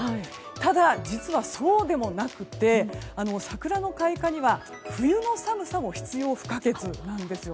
ただ、実はそうでもなくて桜の開花には冬の寒さも必要不可欠なんですよ。